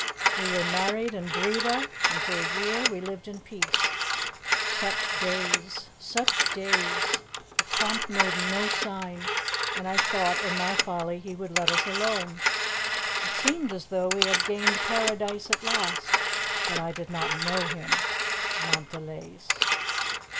We were married in Breda, and for a year we lived in peace. Such days such days! The Conte made no sign, and I thought, in my folly, he would let us alone. It seemed as though we had gained paradise at last; but I did not know him Montdelys."